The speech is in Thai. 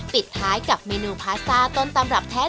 ปิดท้ายกับเมนูพาสต้าต้นตำรับแท้